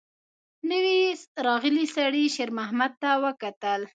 نوي راغلي سړي شېرمحمد ته وکتل.